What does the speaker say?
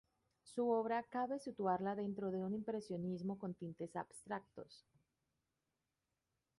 Su obra cabe situarla dentro de un impresionismo con tintes abstractos.